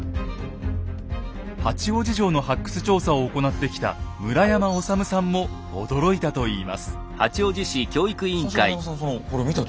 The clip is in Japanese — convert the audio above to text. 八王子城の発掘調査を行ってきた村山修さんも驚いたといいます。